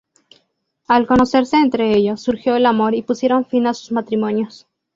Al conocerse entre ellos, surgió el amor y pusieron fin a sus matrimonios.